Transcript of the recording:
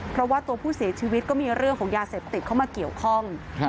เพราะว่าตัวผู้เสียชีวิตก็มีเรื่องของยาเสพติดเข้ามาเกี่ยวข้อง